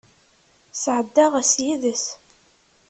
Sɛeddaɣ ass yid-s.